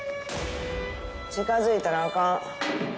近づいたらあかん。